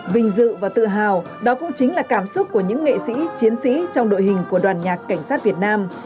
vinh dự và tự hào đó cũng chính là cảm xúc của những nghệ sĩ chiến sĩ trong đội hình của đoàn nhạc cảnh sát việt nam